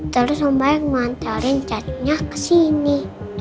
terus om baik mau antarin catnya kesini